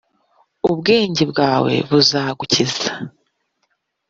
Ubwenge bwawe buzagukiza.